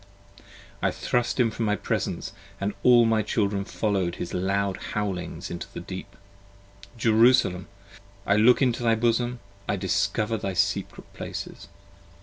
I thrust him from my presence And all my Children follow'd his loud howlings into the Deep. Jerusalem! dissembler Jerusalem! I look into thy bosom: I discover thy secret places.